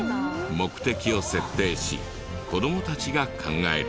目的を設定し子どもたちが考える。